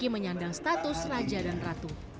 menyandang status raja dan ratu